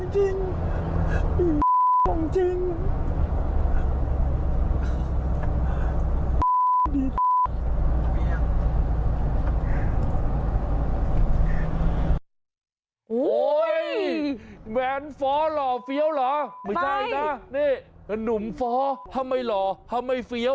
แหวนฟ้อหล่อเฟี้ยวเหรอไม่ได้นะนุ่มฟ้อถ้าไม่หล่อถ้าไม่เฟี้ยว